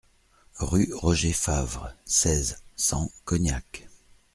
Rue Roger Favre, seize, cent Cognac